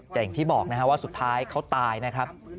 แต่อย่างที่บอกนะครับว่าสุดท้ายเขาตายนะครับ